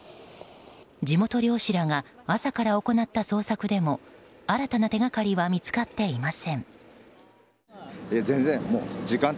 地元漁師らが朝から行った捜索でも新たな手がかりは見つかっていません。